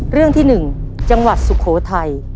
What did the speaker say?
เรื่องที่๑จังหวัดสุโขทัย